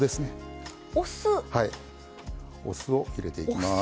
お酢を入れていきます。